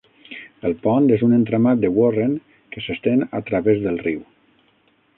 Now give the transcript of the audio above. El pont és un entramat de Warren que s'estén a través del riu.